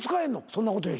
そんなことより。